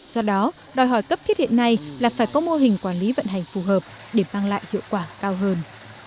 do đó đòi hỏi cấp thiết hiện nay là phải có mô hình quản lý vận hành phù hợp để mang lại hiệu quả cao hơn